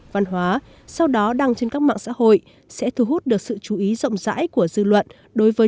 văn hóa sau đó đăng trên các mạng xã hội sẽ thu hút được sự chú ý rộng rãi của dư luận đối với